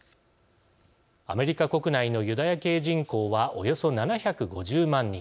アメリカ国内のユダヤ系人口はおよそ７５０万人。